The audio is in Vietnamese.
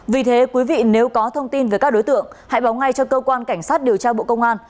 vì thế quý vị nếu có thông tin về các đối tượng hãy báo ngay cho cơ quan cảnh sát điều tra bộ công an